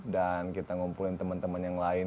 dan kita ngumpulin temen temen yang lain